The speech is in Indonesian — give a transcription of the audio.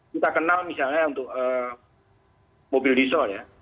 kita kenal misalnya untuk mobil diesel ya